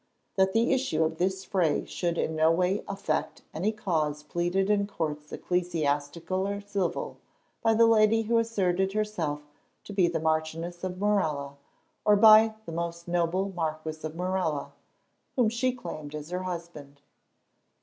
That the issue of this fray should in no way affect any cause pleaded in Courts ecclesiastical or civil, by the lady who asserted herself to be the Marchioness of Morella, or by the most noble Marquis of Morella, whom she claimed as her husband.